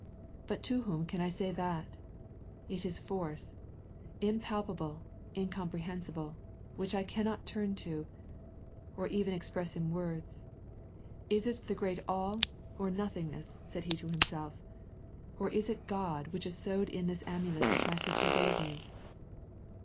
' But to whom can I say that ! Is it force — impalpable, incomprehensible, which I cannot tnm to, or even express in words, is it the great All or noth ingness," said he to himself, '' or is it God which is sewed in this amulet which my sister gave me